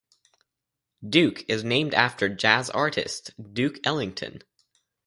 Duke is named after jazz artist Duke Ellington.